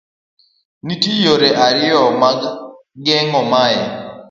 Nitie yore ariyo mag geng'o mae